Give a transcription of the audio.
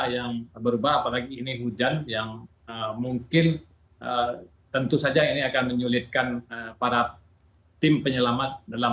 yang berubah apalagi ini hujan yang mungkin tentu saja ini akan menyulitkan para tim penyelamat dalam